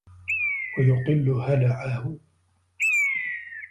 وَيُقِلُّ هَلَعَهُ